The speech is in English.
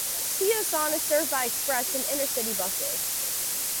Seosan is served by Express and Intercity buses.